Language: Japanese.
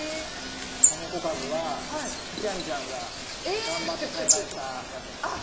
この小カブは菊地亜美ちゃんが頑張って栽培したやつなんですよ。